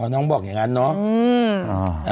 น้องบอกอย่างนั้นเนาะ